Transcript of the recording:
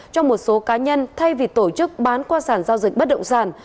cho một số cá nhân thay vì tổ chức bán qua sản giao dịch bất động sản